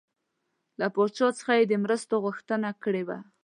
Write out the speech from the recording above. له پاچا څخه یې د مرستو غوښتنه کړې وه.